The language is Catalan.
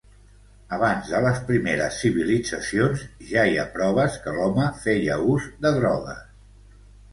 Abans de les primeres civilitzacions ja hi ha proves que l'home feia ús de drogues.